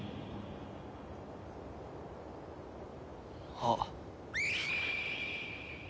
あっ。